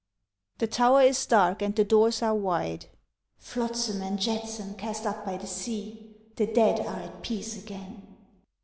_) The tower is dark, and the doors are wide, (_Flotsam and jetsam cast up by the sea, The dead are at peace again.